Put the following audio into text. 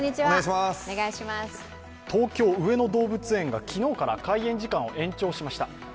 東京・上野動物園が昨日から開園時間を延長しました。